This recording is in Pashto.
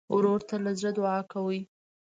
ورور ته له زړه دعا کوې.